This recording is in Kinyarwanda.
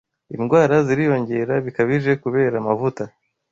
Indwara ziriyongera bikabije kubera amavuta